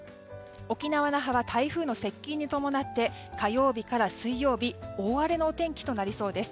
沖縄・那覇は台風の接近に伴って火曜日から水曜日大荒れの天気となりそうです。